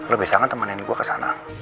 lo bisa kan temanin gue kesana